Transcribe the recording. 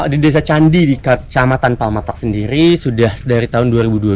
di desa candi di kecamatan palmatak sendiri sudah dari tahun dua ribu dua belas